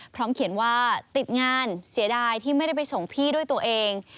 เขียนว่าติดงานเสียดายที่ไม่ได้ไปส่งพี่ด้วยตัวเอง